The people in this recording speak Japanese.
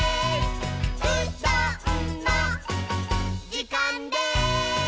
「うどんのじかんです！」